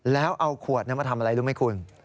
แล้วเอาขวดมาทำอะไรรู้ไหมคุณ